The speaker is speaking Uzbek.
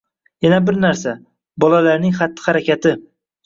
Yana bir narsa: bolalarning xatti -harakati